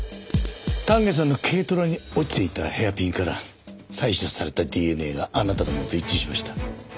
丹下さんの軽トラに落ちていたヘアピンから採取されたＤＮＡがあなたのものと一致しました。